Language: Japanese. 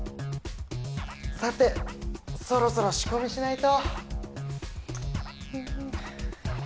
さてそろそろしこみしないと。